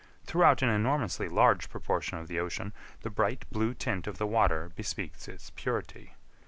Throughout an enormously large proportion of the ocean, the bright blue tint of the water bespeaks its purity.